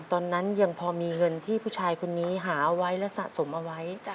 ตอนนั้นยังพอมีเงินที่ผู้ชายคนนี้หาเอาไว้และสะสมเอาไว้